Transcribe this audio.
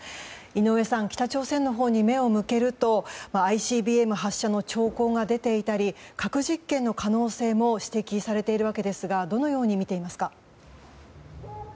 井上さん、北朝鮮のほうに目を向けるとＩＣＢＭ発射の兆候が出ていたり核実験の可能性も指摘されている訳ですがどのように見ていますか？